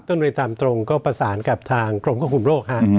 เรียนตามตรงก็ประสานกับทางกรมควบคุมโรคฮะ